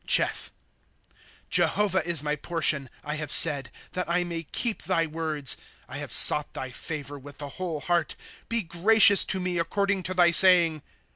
Cheth, ^"' Jehovah is my portion, I have said, That I may keep thy words. ^^ I have sought thy favor with the whole heart ; Be gracious to me according to thy saying.